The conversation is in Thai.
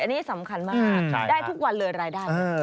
อันนี้สำคัญมากได้ทุกวันเลยรายได้